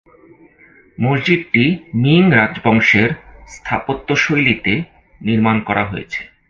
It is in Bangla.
মসজিদটি মিং রাজবংশের স্থাপত্য শৈলীতে নির্মাণ করা হয়েছে।